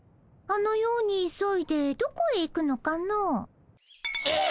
あのように急いでどこへ行くのかの？え！？